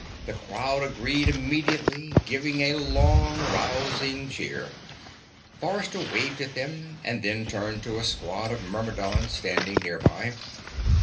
The crowd agreed immediately, giving a long rousing cheer. Forrester waved at them, and then turned to a squad of Myrmidons standing nearby.